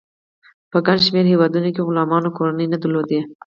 په ګڼ شمیر هیوادونو کې غلامانو کورنۍ نه درلودې.